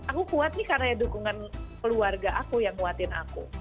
aku kuat nih karena dukungan keluarga aku yang nguatin aku